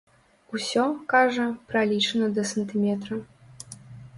Усё, кажа, пралічана да сантыметра.